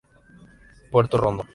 Puerto Rondón